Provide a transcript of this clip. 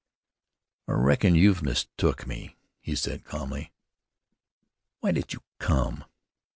"I reckon you've mistook me," he said calmly. "Why did you come?